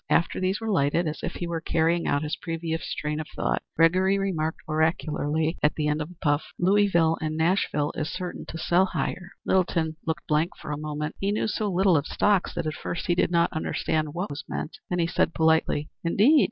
After these were lighted, as if he were carrying out his previous train of thought, Gregory remarked, oracularly, at the end of a puff: "Louisville and Nashville is certain to sell higher." Littleton looked blank for a moment. He knew so little of stocks that at first he did not understand what was meant. Then he said, politely: "Indeed!"